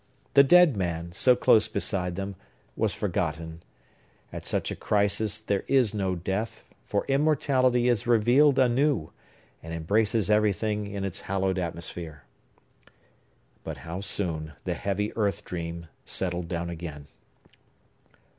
The dead man, so close beside them, was forgotten. At such a crisis, there is no death; for immortality is revealed anew, and embraces everything in its hallowed atmosphere. But how soon the heavy earth dream settled down again!